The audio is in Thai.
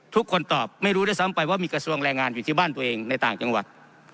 ทุกคนตอบไม่รู้ด้วยซ้ำไปว่ามีกระทรวงแรงงานอยู่ที่บ้านตัวเองในต่างจังหวัด